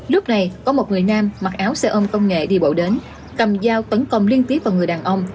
lúc này có một người nam mặc áo xe ôm công nghệ đi bộ đến cầm dao tấn công liên tiếp vào người đàn ông